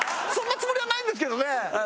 そんなつもりはないんですけどね。